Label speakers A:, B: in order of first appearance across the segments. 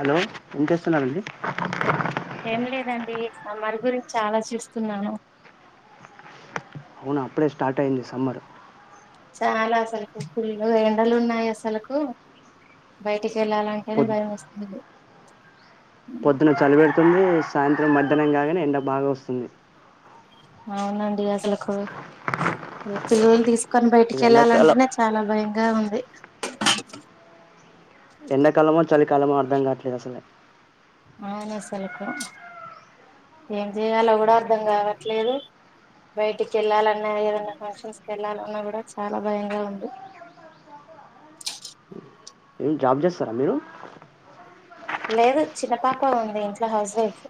A: Hello ఏం చేస్తున్నన్నారండి
B: ఏం లేదండి సమ్మర్ గురించి ఆలోచిస్తున్నాను చూస్తున్నాను
A: అవును అప్పుడే స్టార్ట్ అయింది సమ్మర్
B: చాలా అసలకు ఫుల్ ఎండలు ఉన్నాయి అసలకు బయటికి క వెళ్ళాలంటేనే భయం వేస్తుంది
A: పొద్దునా చలి పెడ్ తుంది సాయంత్రం మధ్యాహనం కాగానే ఎండ బాగా వస్తుంది
B: అవునండి అసలకు పిల్లలు తీసు కొని బయటికి
A: ఇది ఎండాకాలం
B: వెళ్ళాలంటేనే చాలా భయంగా ఉంది
A: ఎంకాలమో చలి కాలమో అర్ధం కాట్లేదు అసలే
B: అవును అసలుకు ఏం చేయాలో కూడా అర్ధం కావట్లేదు బయటికి వెళ్ళాలన్నా ఏదనా ఫంక్షన్స్కి వెళ్ళాలన్నా కూడా చాలా భయంగా ఉంది
A: ఏం జాబ్ చేస్తారా మీరు
B: లేదు చిన్నపాప ఉంది ఇంట్లో హౌస్ వైఫ్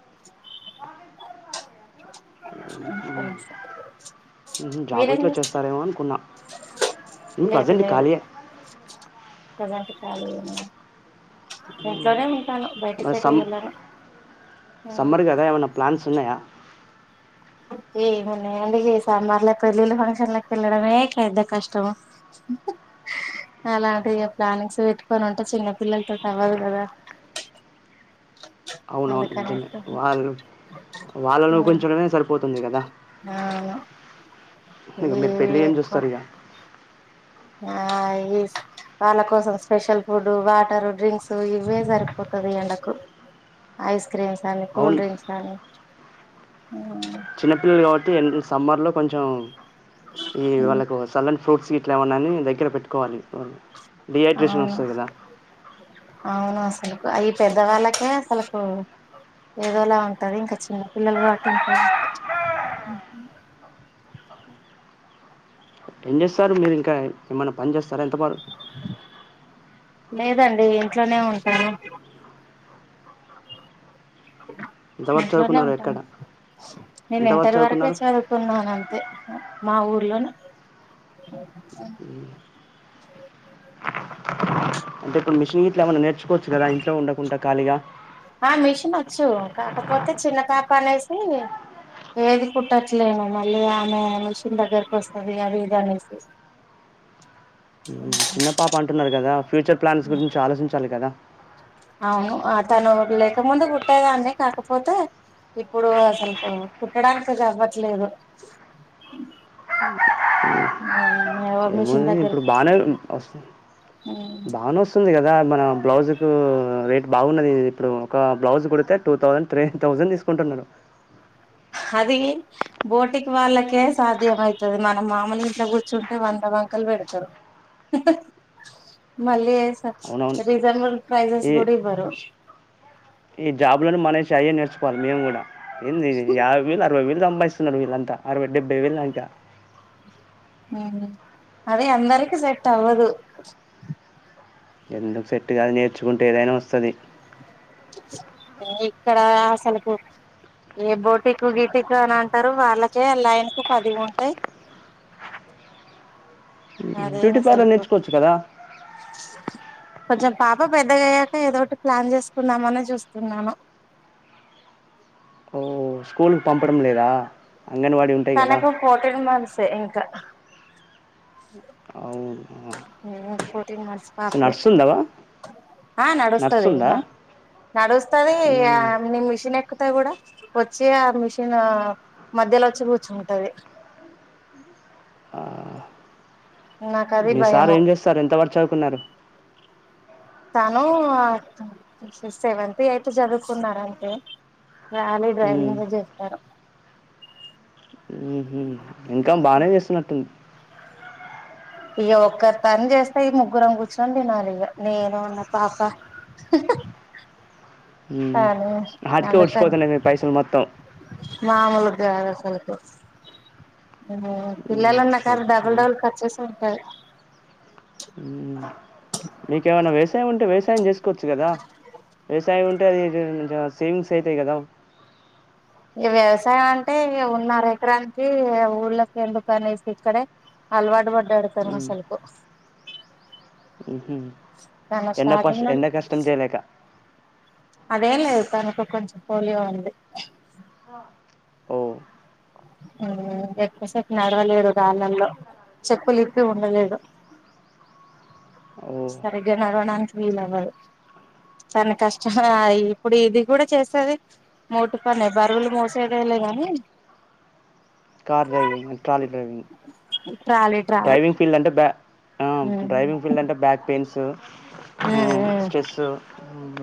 A: జాబ్
B: మీరేం
A: గిట్ల
B: చేస్తారు
A: చేస్తారేమో అనుకున్నా ఉం
B: లేదు
A: ప్రజెంట్
B: లేదు
A: ఖాళీయే
B: ప్రజెంట్ ఖాళీయేనా ఇంట్లోనే ఉ టాను బయటకి
A: మరి
B: ఎటు
A: సమ్
B: వెళ్ళను
A: న్నాయ
B: ఏమన్నాయండి ఈ సమ్మర్ల పెళ్ళిళ్ళ ఫంక్షన్లకి వెళ్ళడమే పెద్ద కష్టం అలాంటి ప్లానింగ్స్ పెట్టుకొని ఉంటే చిన్న పిల్లలతో అవ్వదు కదా [inaudible]
A: అవునవును నిజమే వాళ్ళ వాళ్ళను ఉకుంచడమే సరిపోతుంది కదా
B: అవును
A: ఇక
B: ఈ
A: మీరు పెళ్ళి ఏం
B: ఎక్కువ
A: చూస్తారు ఇక
B: ఆ వాళ్ళ కోసం స్పెషల్ ఫుడ్ వాటరు డ్రింక్స్ ఇవే సరిపోతది ఈ ఎండకు ఐస్ క్రీమ్ కానీ
A: అవును
B: కూల్ డ్రింక్స్ కానీ
A: చిన్నపిల్లలు కావ తే ఈ సమ్మర్లో కొంచెం ఈ వాళ్ళకు సల్లనీ ఫ్రూట్స్ గిట్లా ఏమన్నాని దగ్గర పెట్టుకోవాలి డిహైడ్రషన్
B: అవును
A: వస్తది గదా
B: అవును అసలుకు ఈ పెద్ద వాళ్ళకే అసలులకు ఏదోలా ఉంటది ఇంకా చిన్న పిల్లలు కాబట్టి ఇంకా
A: ఏం చేస్తారు మీరు ఇంకా ఏమన్న పన్ జేస్తార ఎంతవారు
B: లేదండి ఇంట్లోనే ఉంటాను
A: ఎంతవరకు
B: ఇంట్లోనే
A: చదువుకున్నారు ఎక్కడ
B: ఉంటాను నేను
A: ఎంతవరకు
B: ఇంటరి వరకే
A: చదువుకున్నారు
B: చదువుకున్నాను అంతే మా ఊర్లోనే
A: అంటె ప్పు మిషిన్ గిట్ల ఏమన్నా నేర్ చోచ్చు గదా ఇంట్లో ఉండకుంట ఖాళీగా
B: చ్చు కాకపోతే చిన్నకాకు అనేసి ఏది కుట్టట్లేము మళ్ళీ ఆమె మిషన్ దగ్గరకి వస్తుంది అది ఇది అనేసి
A: చిన్న పాప అంటున్నారు కదా ఫ్యూచర్ ప్లాన్స్ గురించి ఆలోచించాలి కదా
B: అవును ఆ తను లేకముందు కుట్టేదాన్ని కాకపోతే ఇప్పుడు అసలు కుట్టడానికైతే అవ్వట్లేదు మిషన్
A: ఇప్పుడు
B: దగ్గరకు
A: బానే
B: వస్తది
A: వస్తుం బానే వస్తుంది కద్ ద మన బ్లౌజ్ కు రేట్ బావున్నది ఇప్పుడు ఒక బ్లౌజ్ కుడితే టూ థౌసండ్ త్రీ థౌసండ్ తీస్కుంటున్నారు
B: అదీ బోటిక్ వాళ్ళకే సాధ్యం ఐతది మనం మామలుగా ఇంట్ల కూర్చుంటే వంద వంకలు పెడతారు మళ్ళీ
A: అవునవును
B: [inaudible] రీజనబుల్ ప్రైసెస్
A: ఈ
B: కుడ ఇవ్వరు
A: ఈ జాబ్ లన్ని మనేసి అయ్యే నేర్చుకోవాలి మేం కుడ ఎందిది యాబై వేలు అరవై వేలు సంభాయిస్తున్నారు వీళ్ళంతా అరవై డెబ్బై వేలు దాంకా
B: ఊ ఊ అదే అందరికి సెట్ అవ్వదు
A: ఎందుకు సెట్టు గాదు నేర్చుకుంటే ఏదైనా వస్తది
B: ఇక్కడ అసలుకు ఏ బోటికు గిటికు అని అంటరు వాళ్ళకే లైన్కు పదివి ఉంటాయ్
A: బ్యూటీ పార్లల్ నేర్చుకోవచ్చు కదా
B: కొంచెం పాప పెద్దగయ్యాక ఏదోటి ప్లాన్ చేసుకుందామనే చూస్తున్నాను
A: స్కూల్క్ పంపడం లేదా అంగన్వాడీ ఉంటాయి కదా
B: తనకు ఫోర్ త్రీని మంత్స్ తె ఇంఖ అహ్
A: అవునా
B: [inaudible] టీ మంత్స్
A: సో
B: పాపే
A: నడుస్తుందా
B: ఆ నడుస్తది
A: నడుస్తుందా
B: నడుస్తదీ ఆ
A: మ్మ్.
B: నీ మిషన్ ఎక్కు త కూడా వచ్చి ఆ మిషన్ ఆ మధ్యలో ఒచ్చి కూర్చుంటది.
A: ఆ,
B: నాకు అది
A: మీ సార్
B: భయము
A: ఏం చేస్తారు ఎంత వరక్ చదువ్ కున్నారు.
B: తను సెవెంత్ ఎయిత్ చదువుకున్నారంతే ఇంగ రాలీ
A: మ్మ్.
B: డ్రైవింగు జేస్తారు.
A: మ్మ్హ్మ్. ఇన్కమ్ బానే చేస్తున్నట్టుంద్
B: ఇక ఒక్క తన్ చేస్తె ఈ ముగ్గురం కూర్చొని తినాలి. ఇగ నేను నా పాప
A: హ్మ్
B: తను
A: ఆటికే ఒడ్చిపోతన్నయ్ మీ పైసలు మొత్తం
B: మామూల్గాద్ అసల్కు
A: మ్మ్.
B: పిల్లల్ ఉన్న
A: చూ
B: కాడ
A: చూ.
B: డబల్ డబల్ ఖర్చేస్ ఉంటాయ్
A: ఉమ్ మీకేమైన వ్యవసాయం ఉంటె వ్యవసాయం చేసుకోవచ్చు కదా వ్యవసాయం ఉంట్ సేవింగ్స్ అయితయ్ గదా
B: ఈ వ్యవసాయం అంటే ఉన్న అరెకరానికి ఊళ్ళకి ఎందుకనేసి ఇక్కడే అలవాటు పడ్డాడతారు
A: హ్మ్.
B: అసలుకు తను
A: ఎండక్ పస్
B: స్టార్టింగ్
A: ఎండక్ కష్టం చేయలేక
B: అదేలేద్ తనుకు కొంచెం పోలియో ఉంది
A: ఓహ్!
B: ఎక్కువసేపు నడవలేడు రాలల్లొ చెప్పులిప్పి ఉండలేడు
A: ఓహ్!
B: సరిగ్గా నడవడానికి వీల్ అవ్వద్ తన కష్టం ఇప్పుడు ఇది కూడ చేసేది మోటి పనే బరువులు మోసేదేలే గానీ
A: car driving and trolley driving
B: trolley trolley
A: driving field అంటే బ ఆ
B: ఉమ్
A: డ్రైవింగ్ ఫీల్డ్ అంటే బ్యాక్ పెయిన్స్
B: ఉమ్
A: స్ట్రెస్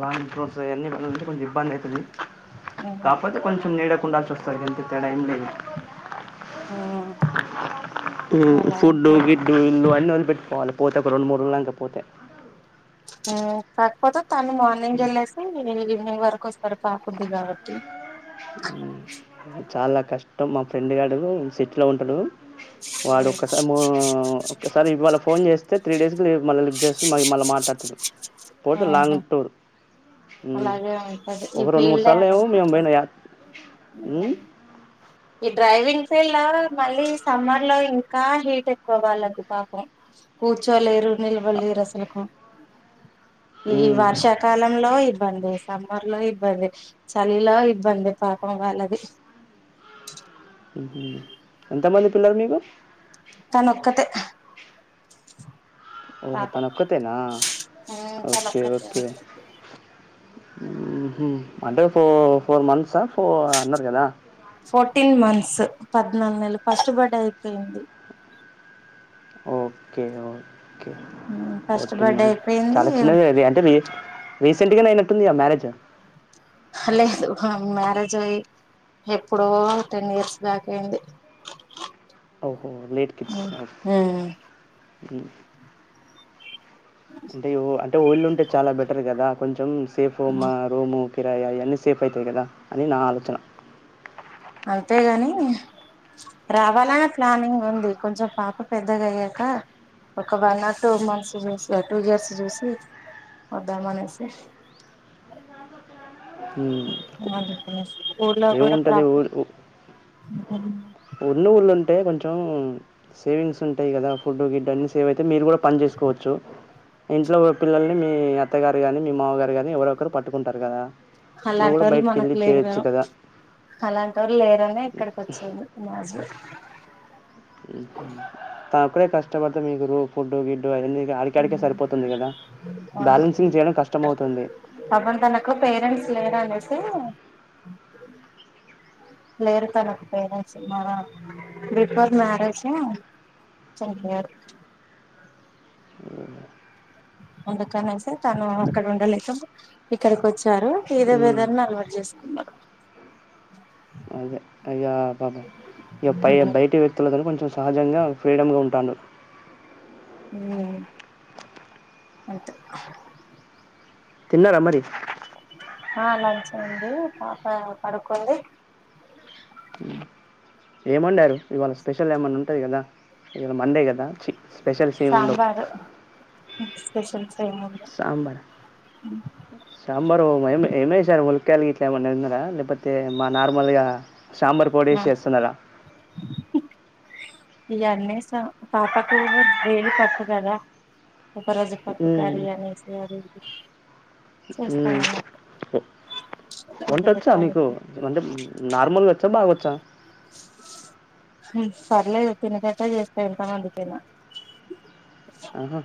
A: బలాడ్ ఫ్రూట్స్ అవన్నీన్నంటే కొంచెం ఇబ్బంది అవుతుంది
B: ఉమ్
A: కాపోతే కొంచెం నీడ కుండా చస్తాయి ఎంత పేడైం లేదు
B: ఉమ్ అలా
A: ఫుడ్
B: ఉంటది
A: గిడ్డు ఇ అన్న పెట్టుకోవాలి పోతే ఒక రెండు మూడు రుంక పోతే
B: కాకపోతే తను మార్నింగ్ వెళ్ళసి ఈవినింగ్ వరకు వస్తారు పాకుద్ది కాబట్టి
A: చాలా కష్టం మా ఫ్రెండ్ గడు సిెట్లో ఉంటడు వాడు ఒక్కసారిసారి ఇవాళ ఫోన్ చేస్తే త్రీ డేస్కి మళ్ళీ లిఫ్ చేస్త మళ్ళీ మాట్లాడుతుంది పోతే
B: ఆహా
A: లాంగ్ టూర్ ఉమ్.
B: అలాగే ఉంటంది
A: ఒక
B: ఈ
A: రెండు మూడు
B: ఫీల్డ్ ఏంట
A: ఈ
B: డ్రైవింగ్ ఫీల్డ్ లో మళ్ళీ సమ్మర్ లో ఇంకా హీట్ ఎక్కువ వాళ్ళకు పాపం కూర్చోలేరు నిల్వ లేరు అసలులకు ఈ
A: ఉమ్,
B: వర్షాకాలంలో ఇబ్బంది సమ్మర్లా ఇబ్బంది చలిలా ఇబ్బంది పాకం వాళది
A: ఎంతమంది పిల్లలు మీకు
B: తను ఒక్కతే
A: ఓహ తనకతేనా ఓకే
B: తనొక్కతే
A: ఓకే అంటే ఫోర్ ఫోర్ మంత్స్ార్
B: ఫర్టీన్ మంత్స్ పద్నాలుగు నెలలు ఫస్ట్ బర్డే అయిపోయింది
A: ఓకే ఓ
B: ఫస్ట్
A: ఫర్టీన్
B: బర్డే
A: మ
B: అయిపోయింది
A: చాలా చిన్నగా అది అంటే రీసెంట్గా అయినట్టుంది గా మ్యారేజ్
B: లేదు మ్యారేజ్ అయ్యి ఎప్పుడో టెన్ ఇయర్స్ బ్యాక్ అయింది.
A: ఓహో లేట్ కిడ్స్ హు అంటే అంటే ఊర్లో ఉంటే చాలా బెటర్ కదా కొంచెం [unintelligible] రోము కిరయ అవన్నీ సేప్ అవుతాయి కదా అని నా ఆలోచన
B: అంతేగాని రావాలనే ప్లానింగ్ ఉంది కొంచెం పాప పెద్దగా అయ్యాక ఒక వన్ ఆర్ టూ మంత్స్ చూసి టూ ఇయర్స్ చూసి వద్దామనేసి
A: హు ఏముంటుంది ఊ
B: హు
A: ఉన్న ఊర్లో ఉంటే కొంచెం సేవింగ్స్ ఉంటాయి. కదా ఫుడ్ గిడ్ అన్ని సేవ్ అయితే మీరు కూడా పని చేసుకోవచ్చు ఇంట్లో పిల్లల్ని మీ అత్తగారు కాని మీ మామగారు కాని ఎవరో ఒకరు పట్టుకుంటారు కదా నువ్వు
B: అలాంటి
A: గూడా
B: ఓళ్ళు మనకు
A: బయటికెళ్ళి
B: లేరా
A: చేయొచ్చు
B: అలాంటి ఓళ్ళు లేరునే ఇక్కడికి వచ్చింది. [unintelligible]
A: ఇంకా తానొక్కడే కష్టపడితే మీకు రూమ్ ఫుడ్డు గిడ్డు అయి అన్ని
B: హు ఆ
A: బ్యాలెన్సింగ్ చేయడం కష్టమవుతుంది.
B: పాపం తనకు పేరెంట్స్ లేరూ ఆనేసి లేరు తనకు పేరెంట్స్ మ బిఫోర్ మ్యారేజ్ చనిపోయారు.
A: అవునా
B: అందుకనేసి తను అక్కడ ఉండలేక ఇక్కడికి వచ్చి చ్చారు ఏదో
A: హ్మ్.
B: విధాన అలవాటు చేసుకున్నారు.
A: అదే ఇక పాబ ఇక పై, బయటి వ్యక్తులతో కొంచెం సహజంగా ఫ్రీడమ్ గా ఉంటారూ
B: హు అంతే
A: తిన్నారా మరి
B: హా లంచ్ అయింది పాప పడుకుంది.
A: [inaudible] ఏం వండారు ఇవాళ స్పెషల్ ఏమన్నా ఉంటది కదా ఇవాళ మండే కదా చి స్పెషల్స్ ఏమి ఉండవు
B: సాంబారు స్పెషల్స్ ఏముంది
A: సాంబార్ ఆ సాంబార్ ఎం ఎసరు మునక్కాయలు గట్లా ఏమైనా ఉన్నారా లేకపోతే మా నార్మల్ గా సాంబార్ పోడేసిస్తున్నార
B: ఇగ అన్నీ వేస్తా పాపకు డైలీ పప్పు కదా ఒక రోజు పప్పు
A: హు
B: కర్రీ అనేసి అది ఇది
A: హు
B: చేస్తాను అన్నట్టు ఫుడ్
A: వంటొచ్చా
B: పెట్టాలి
A: మీకు అంటే నార్మల్గా వచ్చా బాగొచ్చా
B: హ్ పర్లేదు తినేటట్టే చేస్తే ఎంతమందికైనా
A: ఆహా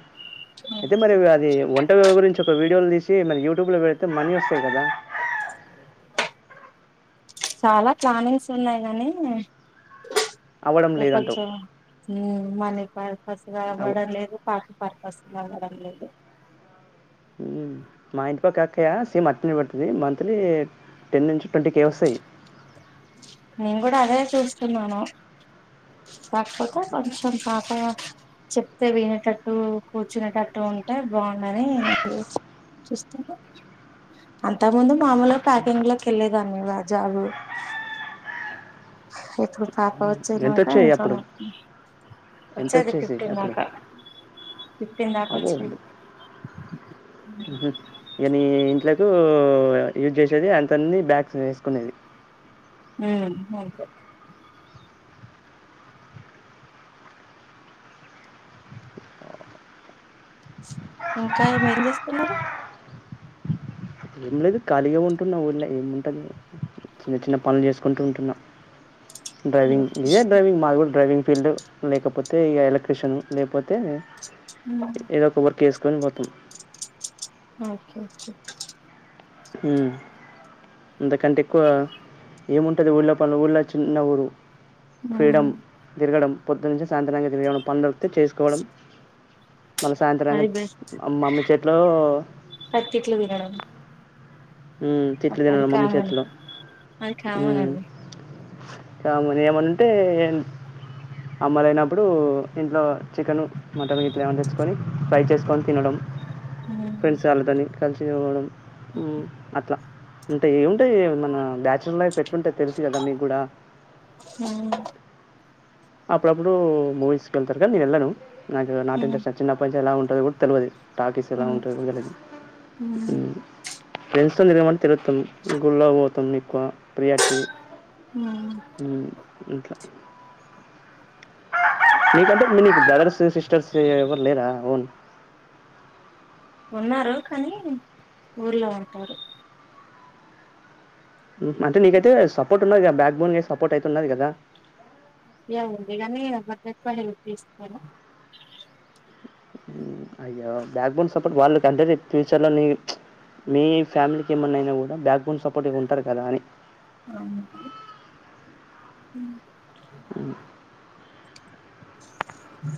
A: అయితే మరి అది వంట గురించి ఒక వీడ్ డియోలు తీసి మరి యూటూబ్ లో పెడితే మనీ వస్తాది గాదా
B: చాలా ప్లానింగ్స్ ఉన్నాయి. గా నీ
A: అవ్వడం లేదంటావు
B: ఎప్పుడొచ్చావ్ హ్ మార్నింగ్ పర్ అసల్
A: అవ్
B: అవ్వడం లేదు పాటి పర్పస్ లాగా [unintelligible]
A: హ్ మా ఇంటి పక్క ఆక్కయా సేమ్ అట్నే పేడుతది. మంత్లీ టెన్ నుంచి ట్వంటీ కే వస్తాయి.
B: నేను కూడా అదే చూస్తున్నాను. కాకపోతే కొంచెం పాప చెప్తే వినేటట్టు కూర్చునేటట్టు ఉంటే బాగుండాని చూస్తున్నా అంతకు ముందు మామూలుగా ప్యాకింగ్ లకి వెల్లేదాన్ని జాబు ఎటు పాప వచ్చేదాక
A: ఎంతొచ్చాయి అప్పుడు?
B: ఇంట్లోనే వచ్చేది
A: ఎంతొచ్చేసాయి
B: ఫిఫ్టీన్
A: అప్పుడు?
B: దాకా ఫిఫ్టీన్ దాకా
A: అబ్బో!
B: వోచ్చెది.
A: కు యూజ్ చేసేది. అంతనాలే వ్యాక్సిన్ ఏసుకునేది.
B: ఉ అంతే ఇంకా ఏమేం చేస్తున్నారు.
A: ఏం లేదు ఖాళీగా ఉంటున్నా ఊల్లే ఏము ఉంటది. మేడం చిన్న చిన్న పనులు చేసుకుంటూ ఉంటున్నా డ్రైవింగ్ ఏ డ్రైవింగ్ మాది గూడ డ్రైవింగ్ ఫీల్డ్ లేకపోతే ఇగా ఎలక్ట్రిషియన్ లే పోతే ఏధో కొబరు కేసు తేని వోతం
B: ఓకే ఓకే
A: హ్ అంతకంటే ఎక్కువ ఏముంటది ఊళ్ళ పనులు ఊళ్ళ చిన్న ఊరు
B: ఉమ్
A: ఫ్రీడమ్ తిరగడం పోద్దునా నుంచి సాయంత్రంగా తిరిగి ఏమన్నా పనులు చేసుకోవడం మళ్ళీ సాయంత్రం గా
B: అది బెస్ట్
A: మమ్మీ చేతిలో
B: పచ్చిట్లు తినడం
A: హ్ తిట్లు
B: అది
A: తినాల మమ్మీ
B: కామన్
A: చేతీ ల
B: అది కామన్ అది
A: కామన్ ఏమన్న ఉంటే అమ్మ లేన నప్పుడు ఇంట్లో చికెను మటన్ గిట్లా ఏమన్న తెచ్చుకొని ఫ్రై చేసుకొని తినడం.
B: ఉమ్
A: ఫ్రెండ్స్ చాలదని కలిసి చదువుకోవడం హ్ హ్ అంటే ఏముంటాయి. మన బ్యాచురల్ లైఫ్ ఎట్లుంటాది. తెలుసు కదా మీకు కూడా
B: ఉమ్
A: అప్పుడప్పుడు మూవీస్ కు ఏళ్తారు గాని నేను ఏళ్ళాను నాకు నాట్
B: ఉమ్
A: ఇంట్రస్ట్ వచ్చింది. అప్పటి నుంచి ఎలా ఉం న్నది కూడా తెలువాది. టాకీస్ ఎలా ఉంటాది కూడా తెల్వది
B: ఉమ్
A: ఫ్రెండ్స్ తో నీ తిరగం అన్ తాం గుళ్లాకు పోతాం ఎక్కువ ప్రియాటిటీ
B: హ
A: ఇంకా మీ కంట మ బ్రదర్స్ సిస్టర్స్ ఎవరు లేరా ఓన్
B: ఉన్నారు కానీ ఊర్లో ఉంటారు
A: మ నీకుతే సపోర్ బ్యాక్ బోన్ సపోర్ట్ అయితున్నది కదా
B: ఎవందిక న మధక్క తీస్తను
A: అయ్యో బ్యాక్ బోన్ సపోర్ట్ వాళ్ళకి అంటే ఫ్యూచర్ లో న మీ ఫ్యామిలీకి ఏమన్నాయినా కూడా బ్యాక్బోన్ సపోర్ట్ ఇ ఉంటారు కదా అని
B: అ
A: ఉమ్.
B: ఆ